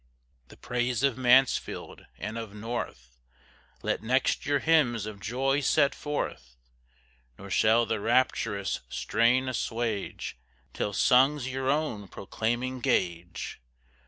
The praise of Mansfield, and of North, Let next your hymns of joy set forth, Nor shall the rapturous strain assuage, Till sung's your own proclaiming Gage.